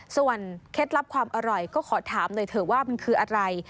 ส่วนเคล็ดลับความอร่อยก็ขอถามหน่อยเถอะว่ามันคืออะไร